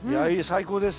最高です。